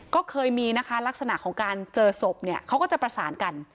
ก็เคยมีลักษณะของการเจอศพก็จะประสานกัน